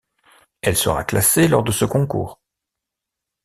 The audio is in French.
Elle sera classée lors de ce concours.